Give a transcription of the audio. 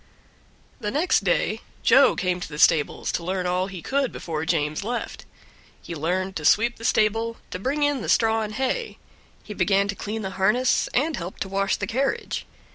The next day Joe came to the stables to learn all he could before James left. He learned to sweep the stable, to bring in the straw and hay; he began to clean the harness, and helped to wash the carriage.